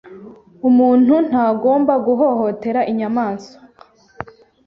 Umuntu ntagomba guhohotera inyamaswa.